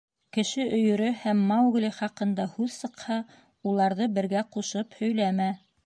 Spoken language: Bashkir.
— Кеше өйөрө һәм Маугли хаҡында һүҙ сыҡһа, уларҙы бергә ҡушып һөйләмә.